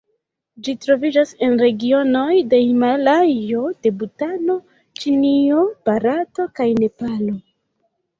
Ĝi troviĝas en regionoj de Himalajo de Butano, Ĉinio, Barato kaj Nepalo.